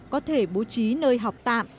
có thể bố trí nơi học tạm